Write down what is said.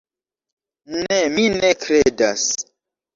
Ne, mi ne kredas.